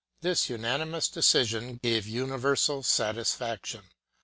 This unanimous decision gave universal satisfaction.